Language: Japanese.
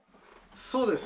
そうです。